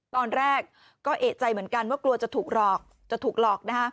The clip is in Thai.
ตอนแรกก็เอกใจเหมือนกันว่ากลัวจะถูกหลอก